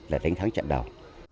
là đánh thắng chậm đầu